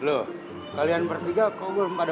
loh kalian bertiga kau belum pada